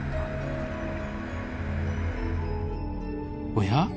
おや？